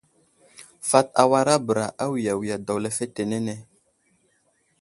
Fat awara bəra awiyawiga daw lefetenene.